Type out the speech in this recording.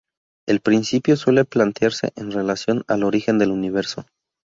El principio suele plantearse en relación al origen del universo.